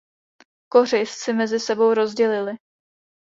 Kořist si mezi sebou rozdělili.